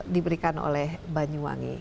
diberikan oleh banyuwangi